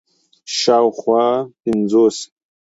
شاوخوا پنځوس